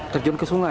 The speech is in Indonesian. terjun ke sungai